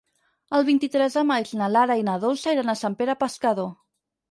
El vint-i-tres de maig na Lara i na Dolça iran a Sant Pere Pescador.